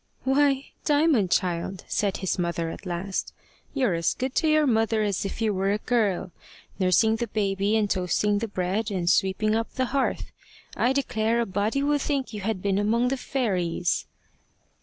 "Why, Diamond, child!" said his mother at last, "you're as good to your mother as if you were a girl nursing the baby, and toasting the bread, and sweeping up the hearth! I declare a body would think you had been among the fairies."